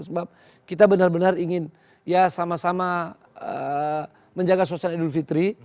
sebab kita benar benar ingin ya sama sama menjaga suasana idul fitri